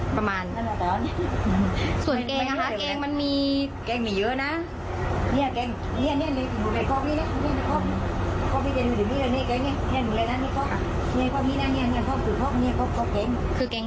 ประมาณส่วนแกงฮะแกงมันมีแกงมีเยอะน่ะนี่แกง